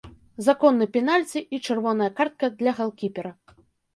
Законны пенальці і чырвоная картка для галкіпера.